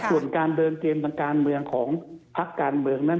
ส่วนการเดินเกมทางการเมืองของพักการเมืองนั้น